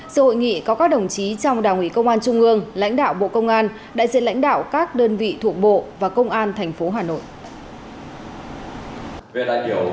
sự hội nghị có các đồng chí trong đảng ủy công an trung ương lãnh đạo bộ công an đại diện lãnh đạo các đơn vị thuộc bộ và công an tp hà nội